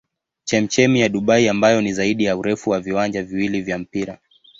Chemchemi ya Dubai ambayo ni zaidi ya urefu wa viwanja viwili vya mpira.